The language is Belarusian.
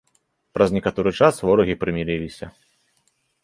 Праз некаторы час ворагі прымірыліся.